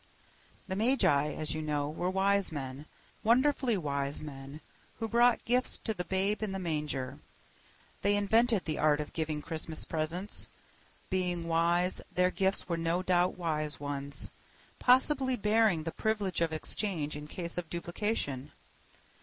The magi, as you know, were wise men—wonderfully wise men—who brought gifts to the Babe in the manger. They invented the art of giving Christmas presents. Being wise, their gifts were no doubt wise ones, possibly bearing the privilege of exchange in case of duplication.